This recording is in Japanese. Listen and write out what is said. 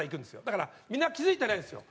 だからみんな気付いてないんですよ。